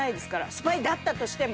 スパイだったとしても。